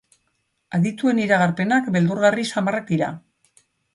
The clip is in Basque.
Adituen iragarpenak beldurgarri samarrak dira.